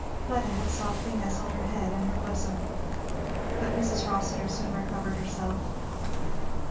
Fleda had softly nestled her head in her bosom. But Mrs. Rossitur soon recovered herself.